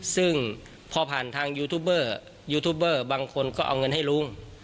ซึ่งพอผ่านทางยูทูบเบอร์ยูทูบเบอร์บางคนก็เอาเงินให้ลุง